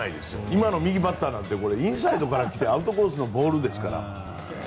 今の右バッターなんてインサイドから来てアウトコースですから。